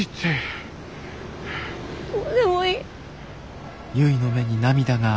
どうでもいい。